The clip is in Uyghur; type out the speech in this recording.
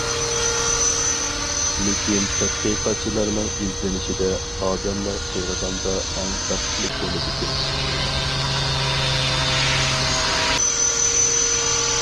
لېكىن تەتقىقاتچىلارنىڭ ئىزدىنىشىدە، ئادەملەر قېرىغاندا ئەڭ بەختلىك بولىدىكەن.